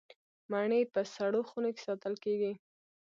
مڼې په سړو خونو کې ساتل کیږي.